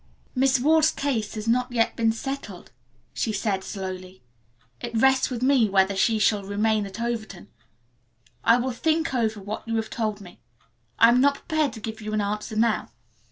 "Miss Ward's case has not yet been settled," she said slowly. "It rests with me whether she shall remain at Overton. I will think over what you have told me. I am not prepared to give you an answer now.